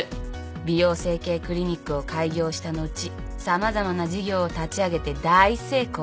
美容整形クリニックを開業した後様々な事業を立ち上げて大成功。